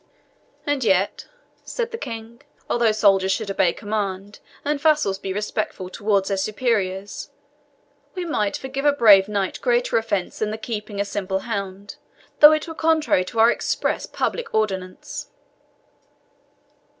"And yet," said the King, "although soldiers should obey command, and vassals be respectful towards their superiors, we might forgive a brave knight greater offence than the keeping a simple hound, though it were contrary to our express public ordinance."